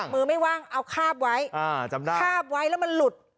มือไม่ว่างเอาคาบไว้จำได้คาบไว้แล้วมันหลุด